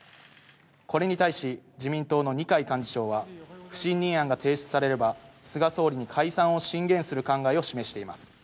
これに対し自民党の二階幹事長は不信任案が提出されれば、菅総理に解散を進言する考えを示しています。